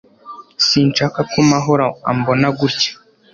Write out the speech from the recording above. Sinshaka ko Mahoro ambona gutya